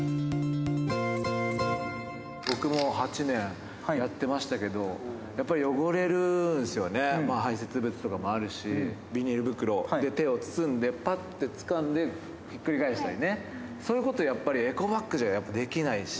僕も８年、やってましたけど、やっぱり汚れるんですよね、排せつ物とかもあるし、ビニール袋で手を包んでぱってつかんでひっくり返したりね、そういうことをやっぱりエコバッグじゃやっぱできないし。